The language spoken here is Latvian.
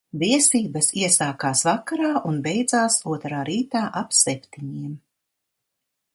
Viesības iesākās vakarā un beidzās otrā rītā ap septiņiem.